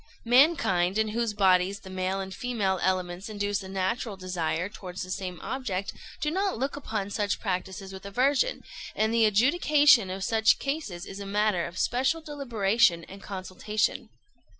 "Mankind, in whose bodies the male and female elements induce a natural desire towards the same object, do not look upon such practices with aversion; and the adjudication of such cases is a matter of special deliberation and consultation.